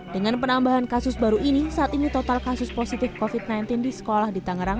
dengan penambahan kasus baru ini saat ini total kasus positif covid sembilan belas di sekolah di tangerang